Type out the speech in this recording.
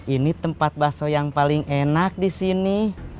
ini tempat bakso yang paling enak disini